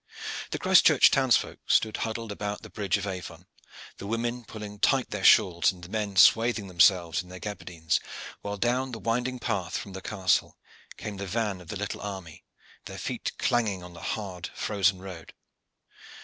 The Christchurch townsfolk stood huddled about the Bridge of Avon, the women pulling tight their shawls and the men swathing themselves in their gaberdines, while down the winding path from the castle came the van of the little army, their feet clanging on the hard, frozen road.